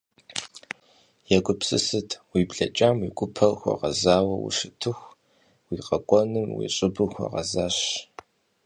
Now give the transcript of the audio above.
Егупсысыт: уи блэкӏам уи гупэр хуэгъэзауэ ущытыху, уи къэкӏуэнум уи щӏыбыр хуэгъэзащ.